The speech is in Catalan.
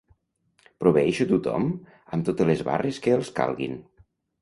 Proveeixo tothom amb totes les barres que els calguin.